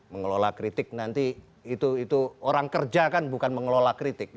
mengelola kritik nanti itu orang kerja kan bukan mengelola kritik